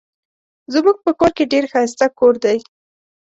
زمونږ په کور کې ډير ښايسته کوور دي